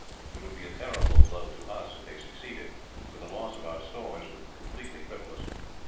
It would be a terrible blow to us if they succeeded, for the loss of our stores would completely cripple us.